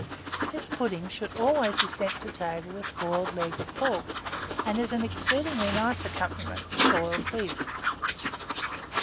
This pudding should always be sent to table with boiled leg of pork, and is an exceedingly nice accompaniment to boiled beef.